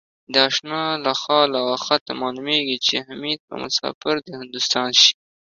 د آشناله خال و خطه معلومېږي ـ چې حمیدبه مسافر دهندوستان شي